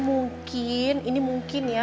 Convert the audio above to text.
mungkin ini mungkin ya